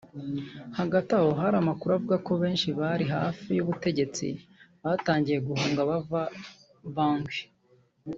Hagati aho hari amakuru avuga ko abantu benshi bari hafi y’ubutegetsi batangiye guhunga bava i Bangui